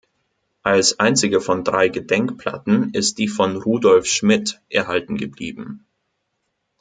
Als einzige von drei Gedenkplatten ist die von Rudolf Schmidt erhalten geblieben.